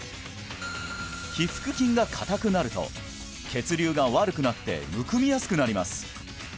腓腹筋が硬くなると血流が悪くなってむくみやすくなります